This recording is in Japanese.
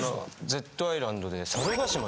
『Ｚアイランド』で。